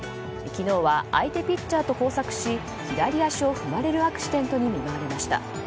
昨日は相手ピッチャーと交錯し左足を踏まれるアクシデントに見舞われました。